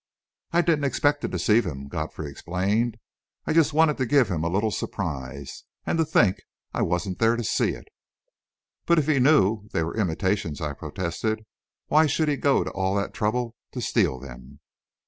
"I didn't expect to deceive him," Godfrey explained. "I just wanted to give him a little surprise. And to think I wasn't there to see it!" "But if he knew they were imitations," I protested, "why should he go to all that trouble to steal them?"